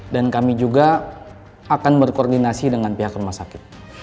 dan kami juga akan berkoordinasi dengan pihak rumah sakit